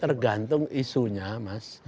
tergantung isunya mas